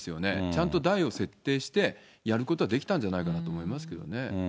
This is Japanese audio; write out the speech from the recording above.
ちゃんと台を設定してやることはできたんじゃないかなと思います